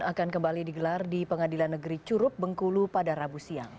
akan kembali digelar di pengadilan negeri curup bengkulu pada rabu siang